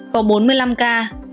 có bốn mươi năm ca